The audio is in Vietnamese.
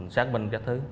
xác minh các thứ